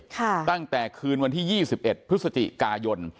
ตั้งแต่คืนวันที่๒๑พฤศจิกายน